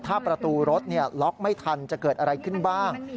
ถ้าประตูรถล็อกไม่ทันจะเกิดอะไรขึ้นบ้าง